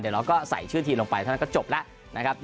เดี๋ยวเราก็ใส่ชื่อทีมลงไปเท่านั้นก็จบแล้วนะครับ